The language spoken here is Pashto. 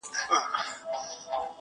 چي مازیګر په ښایسته کیږي!